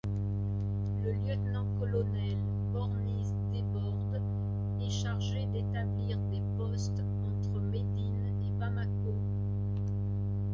Le lieutenant-colonel Borgnis-Desbordes est chargé d'établir des postes entre Médine et Bamako.